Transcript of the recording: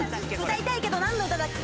歌いたいけどなんの歌だっけ？